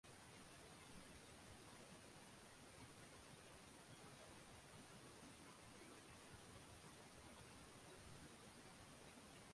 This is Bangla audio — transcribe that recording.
গ্রীষ্ম-বর্ষায় বেশি ফুল ফোটে, পাতার গোড়া থেকে একেকটি ফোটে সন্ধ্যার আগে আগে।